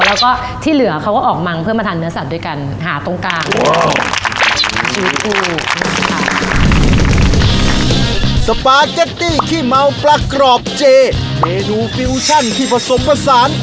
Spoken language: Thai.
แล้วก็ที่เหลือเขาก็ออกมาเพื่อมาทานเนื้อสัตว์ด้วยกันหาตรงกลาง